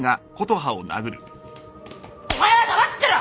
お前は黙ってろ！